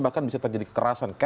bahkan bisa terjadi kekerasan